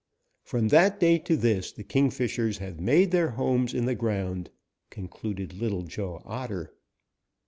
From that day to this the Kingfishers have made their homes in the ground," concluded Little Joe Otter.